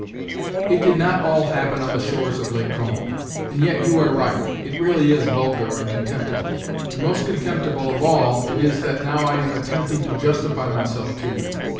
... It did not all happen on the shores of Lake Como. And yet you are right it really is vulgar and con temptible. And most contemptible of all it is that now I am attempting to justify myself to you.